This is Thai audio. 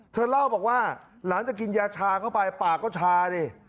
เธอเล่าบอกว่าหลังจากกินยาชาเข้าไปปากก็ชาดิ